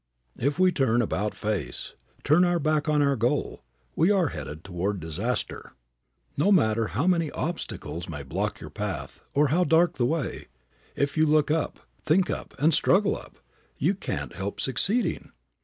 If we turn about face, turn our back on our goal, we are headed toward disaster. No matter how many obstacles may block your path, or how dark the way, if you look up, think up, and struggle up, you can't help succeeding.